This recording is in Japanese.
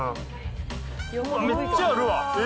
めっちゃあるわ。